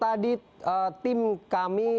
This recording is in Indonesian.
tadi tim kami